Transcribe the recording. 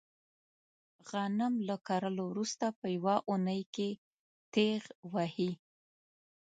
غنم له کرلو ورسته په یوه اونۍ کې تېغ وهي.